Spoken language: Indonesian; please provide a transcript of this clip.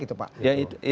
apa yang terjadi